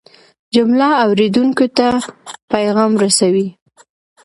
جمله اورېدونکي ته پیغام رسوي.